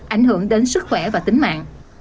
ảnh hưởng đến sức khỏe và tính mạng